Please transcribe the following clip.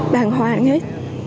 đàng hoàng hết